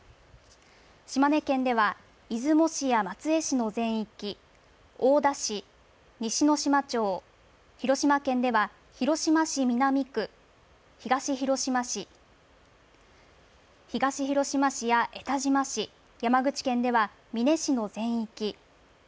島根県では、出雲市や松江市の全域、大田市、西ノ島町、広島県では、広島市南区、東広島市、東広島市や江田島市、山口県では、美祢市の全域。